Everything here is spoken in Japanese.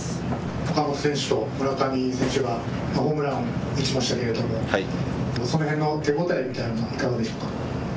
岡本選手と村上選手がホームランを打ちましたけれどその辺の手応えみたいなのはいかがでしょうか。